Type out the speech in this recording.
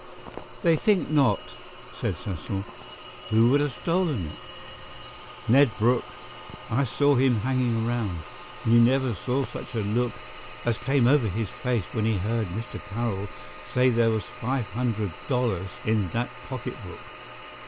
"They think not," said Cecil. "Who would have stolen it?" "Ned Brooke. I saw him hanging around. And you never saw such a look as came over his face when he heard Mr. Carroll say there was five hundred dollars in that pocketbook."